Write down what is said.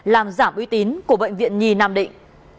làm giảm uy tín của bệnh viện nhi nam định